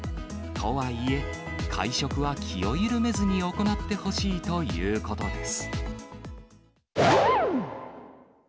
とはいえ、会食は気を緩めずに行ってほしいということです。